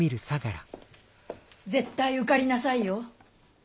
絶対受かりなさいよ。